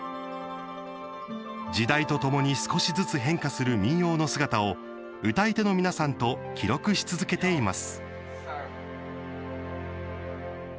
時代とともに少しずつ変化する民謡の姿を歌い手の皆さんと記録し続けています。